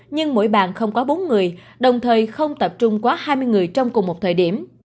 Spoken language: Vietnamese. nhưng mỗi bàn không quá bốn người đồng thời không tập trung quá hai mươi người trong cùng một thời điểm